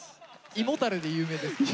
胃もたれで有名ですからね。